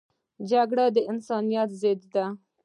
جګړه د انسانیت ضد ده